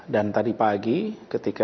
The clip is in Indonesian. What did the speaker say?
dan tadi pagi ketika